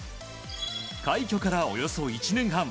快挙から、およそ１年半。